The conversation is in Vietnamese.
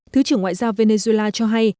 thứ trưởng ngoại giao venezuela cho hay